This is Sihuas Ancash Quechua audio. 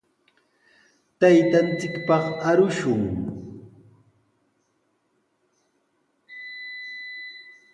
Taytanchikpaq arushun.